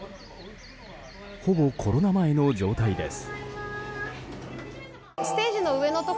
ほぼコロナ前の状態です。